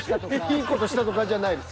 いい事したとかじゃないです。